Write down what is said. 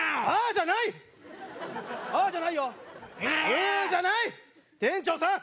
「う！」じゃない！店長さん！